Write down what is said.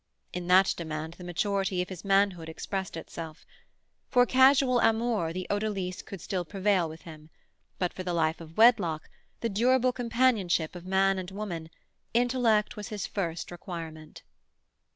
In that demand the maturity of his manhood expressed itself. For casual amour the odalisque could still prevail with him; but for the life of wedlock, the durable companionship of man and woman, intellect was his first requirement.